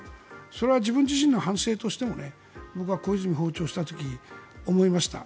それは自分自身の反省としても僕は小泉総理が訪朝した時に思いました。